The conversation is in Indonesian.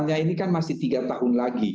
pertanyaannya ini kan masih tiga tahun lagi